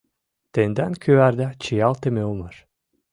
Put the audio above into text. Тендан кӱварда чиялтыме улмаш